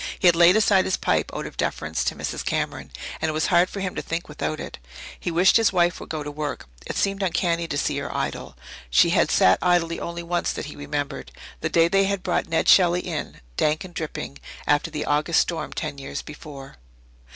He had laid aside his pipe out of deference to Mrs. Cameron, and it was hard for him to think without it. He wished his wife would go to work; it seemed uncanny to see her idle. She had sat idle only once that he remembered the day they had brought Ned Shelley in, dank and dripping, after the August storm ten years before.